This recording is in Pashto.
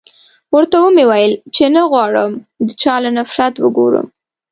ورته و مې ويل چې نه غواړم د چا له نفرت وګورم.